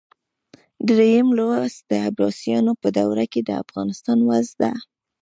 دریم لوست د عباسیانو په دوره کې د افغانستان وضع ده.